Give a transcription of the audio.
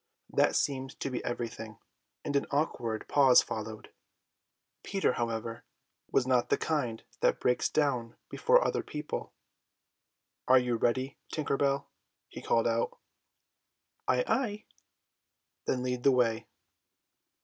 That seemed to be everything, and an awkward pause followed. Peter, however, was not the kind that breaks down before other people. "Are you ready, Tinker Bell?" he called out. "Ay, ay." "Then lead the way."